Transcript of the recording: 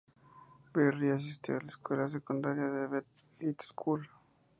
Berry asistió a la escuela secundaria Bath High School.